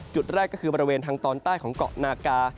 จุดแรกก็คือบริเวณทางตอนใต้ของเกาะนากา